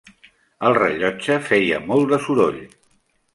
El rellotge feia molt de soroll.